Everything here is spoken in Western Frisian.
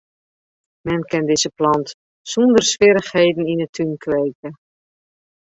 Men kin dizze plant sonder swierrichheden yn 'e tún kweke.